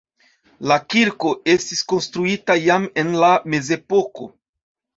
La kirko estis konstruita iam en la mezepoko.